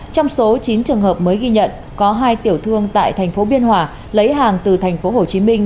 trong số chín trường hợp mới ghi nhận có hai tiểu thương tại thành phố biên hòa lấy hàng từ thành phố hồ chí minh